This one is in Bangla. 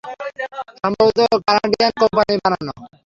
সম্ভবত কানাডিয়ান কোম্পানির বানানো।